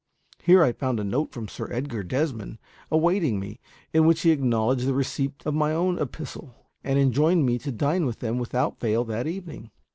Here I found a note from Sir Edgar Desmond awaiting me, in which he acknowledged the receipt of my own epistle, and enjoined me to dine with them without fail that evening.